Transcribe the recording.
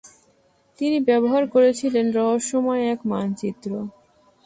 তিনি ব্যবহার করেছিলেন ‘রহস্যময়’ এক মানচিত্র।